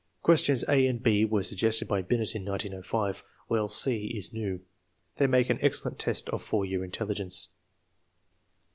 Questions a and b were suggested by Binet in 1905, while c is new. They make an excellent test of 4 year intelligence.